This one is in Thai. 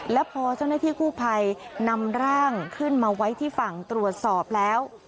และพอเจ้าหน้าที่กู้ภัยนำร่างขึ้นมาไว้ที่ฝั่งตรวจสอบแล้ว